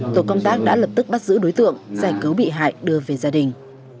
tổ công tác đã lập tức bắt giữ đối tượng giải cứu bị hại đưa về gia đình